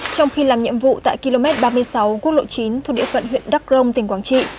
trong khi làm nhiệm vụ tại km ba mươi sáu quốc lộ chín thuộc địa phận huyện đắc rông tỉnh quảng trị